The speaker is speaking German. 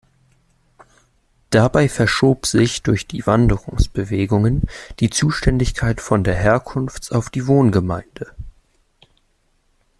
Dabei verschob sich durch die Wanderungsbewegungen die Zuständigkeit von der Herkunfts- auf die Wohngemeinde.